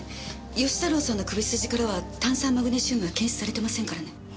義太郎さんの首筋からは炭酸マグネシウムは検出されてませんからね。